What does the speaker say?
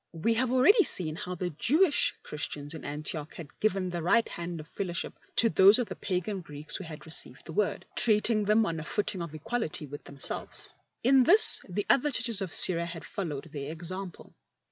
We have already seen how the Jewish Christians in Antioch had given the right hand of fellowship to those of the pagan Greeks who had received the Word, treating them on a footing of equality with themselves. In this the other Churches of Syria had followed their example.